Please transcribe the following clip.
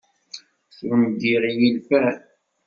Undiɣ i yilfan.